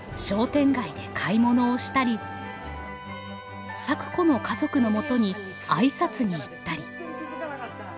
商店街で買い物をしたり咲子の家族のもとに挨拶に行ったり。